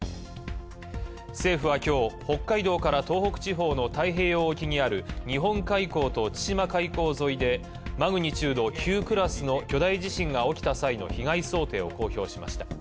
政府は今日、北海道から東北地方の太平洋沖にある日本海溝と、千島海溝沿いでマグニチュード９クラスの巨大地震が起きた際の被害想定を好評。